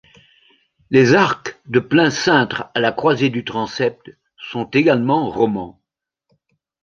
Les arcs de plein cintre à la croisée du transept sont également romans.